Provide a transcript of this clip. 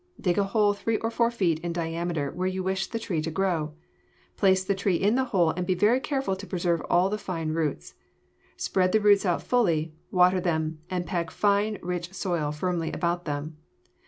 Dig a hole three or four feet in diameter where you wish the tree to grow. Place the tree in the hole and be very careful to preserve all the fine roots. Spread the roots out fully, water them, and pack fine, rich soil firmly about them.